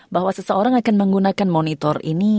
bahwa seseorang akan menggunakan monitor ini